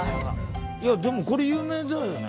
いやでもこれ有名だよね